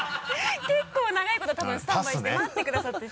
結構長いこと多分スタンバイして待ってくださってる。